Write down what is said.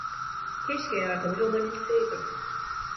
Keşke yardımcı olabilseydim.